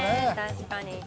確かに。